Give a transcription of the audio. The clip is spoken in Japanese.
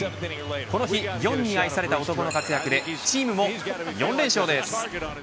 この日、４に愛された男の活躍でチームも４連勝です。